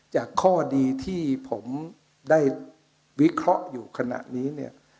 จากข้อดีที่ผมได้วิเคราะห์อยู่ขณะนี้เนี่ย